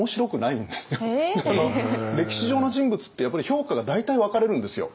実は歴史上の人物ってやっぱり評価が大体分かれるんですよ。